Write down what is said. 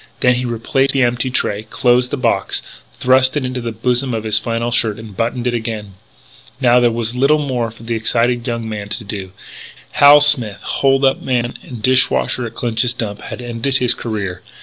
Then he replaced the empty tray, closed the box, thrust it into the bosom of his flannel shirt and buttoned it in. Now there was little more for this excited young man to do. He was through with Clinch. Hal Smith, hold up man and dish washer at Clinch's Dump, had ended his career.